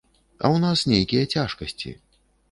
А ў нас нейкія цяжкасці.